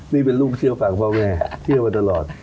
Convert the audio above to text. นี่เป็นลูกเชื่อฟังพ่อแม่เที่ยวมาตลอด